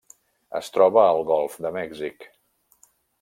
Es troba al Golf de Mèxic.